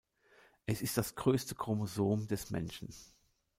Es ist das größte Chromosom des Menschen.